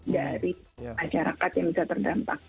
dari masyarakat yang bisa terdampak